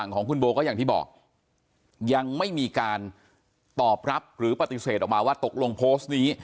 ของคุณโบก็อย่างที่บอกยังไม่มีการตอบรับหรือปฏิเสธออกมาว่าตกลงโพสต์นี้